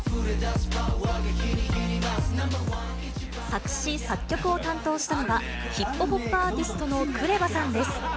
作詞作曲を担当したのは、ヒップホップアーティストのクレバさんです。